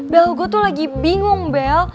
bell gue tuh lagi bingung bel